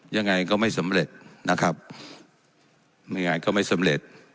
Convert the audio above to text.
ยังไงก็ไม่สำเร็จนะครับหน่วยงานก็ไม่สำเร็จ